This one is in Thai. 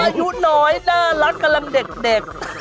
เขาอายุน้อยน่ารักกับลำเด็ก